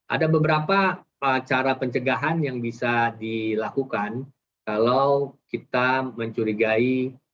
ada beberapa cara pencegahan yang bisa dilakukan kalau kita mencurigai